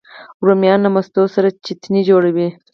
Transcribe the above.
رومیان له مستو سره چټني جوړوي